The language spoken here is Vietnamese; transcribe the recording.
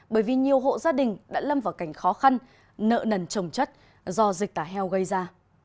bởi vì nhiều hộ gia đình đã lâm vào cảnh khó khăn nợ nần trồng chất do dịch tả heo gây ra